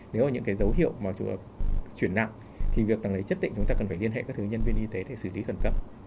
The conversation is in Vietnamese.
nếu là những cái dấu hiệu mà chuyển nặng thì việc đằng đấy chất định chúng ta cần phải liên hệ với các thứ nhân viên y tế để xử lý khẩn cấp